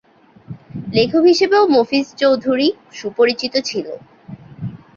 লেখক হিসেবেও মফিজ চৌধুরী সুপরিচিত ছিল।